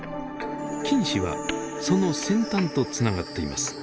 菌糸はその先端とつながっています。